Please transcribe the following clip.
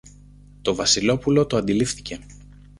Το Βασιλόπουλο το αντιλήφθηκε